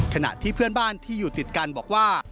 ขณะที่เพื่อนบ้านที่อยู่ติดกันบอกว่า